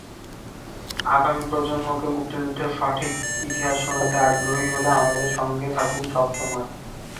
আগামী প্রজন্মকে মুক্তিযুদ্ধের সঠিক ইতিহাস শোনাতে আগ্রহী হলে আমাদের সঙ্গে থাকুন সবসময়।